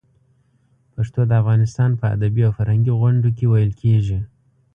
پښتو د افغانستان په ادبي او فرهنګي غونډو کې ویلې کېږي.